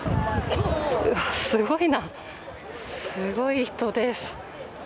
すごいな、すごい人です。